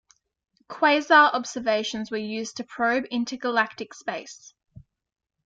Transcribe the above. Quasar observations were used to probe intergalactic space.